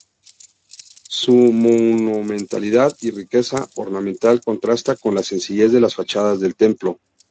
Su monumentalidad y riqueza ornamental contrasta con la sencillez de las fachadas del templo.